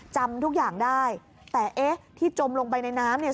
จำทุกอย่างได้แต่เอ๊ะที่จมลงไปในน้ำเนี่ย